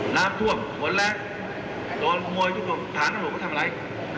น้ำพวกมันแรงโดนโงบร้อยทุกผลันทางหลักมันทำอะไร